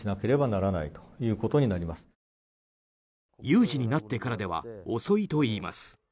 有事になってからでは遅いといいます。